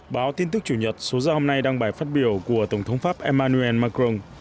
báo tin tức chủ nhật số ra hôm nay đăng bài phát biểu của tổng thống pháp emmanuel macron